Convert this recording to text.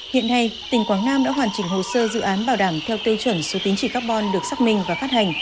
hiện nay tỉnh quảng nam đã hoàn chỉnh hồ sơ dự án bảo đảm theo tiêu chuẩn số tính trị carbon được xác minh và phát hành